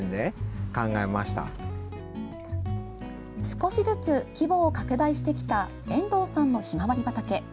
少しずつ規模を拡大してきた遠藤さんのひまわり畑。